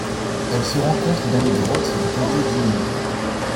Elle se rencontre dans des grottes du comté d'Inyo.